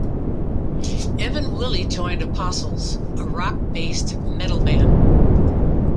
Evan Willey joined Apostles, a rock-based metal band.